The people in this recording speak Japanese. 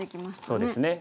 そうですね。